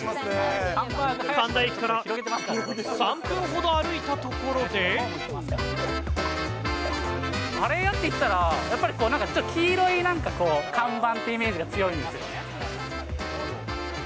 神田駅から３分ほど歩いたところカレー屋っていったら、やっぱりちょっと黄色いなんかこう、看板ってイメージが強いんです。